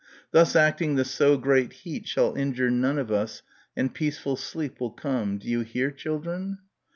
Thus acting the so great heat shall injure none of us and peaceful sleep will come. Do you hear, children?"